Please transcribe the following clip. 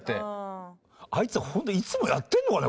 あいつ本当にいつもやってるのかね？